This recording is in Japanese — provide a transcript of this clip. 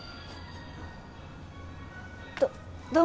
どどうも。